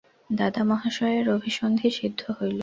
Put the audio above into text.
দাদামহাশয়ের অভিসন্ধি সিদ্ধ হইল।